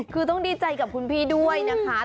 คือต้องดีใจกับคุณพี่ด้วยนะคะ